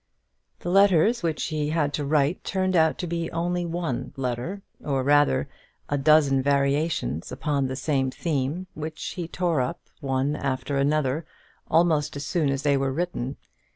The letters which he had to write turned out to be only one letter, or rather a dozen variations upon the same theme, which he tore up, one after another, almost as soon as they were written.